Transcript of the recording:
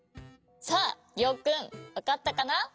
さありょうくんわかったかな？